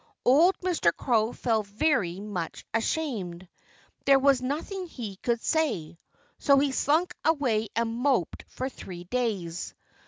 Old Mr. Crow felt very much ashamed. There was nothing he could say. So he slunk away and moped for three days.